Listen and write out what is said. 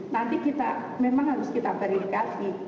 nanti kita memang harus kita verifikasi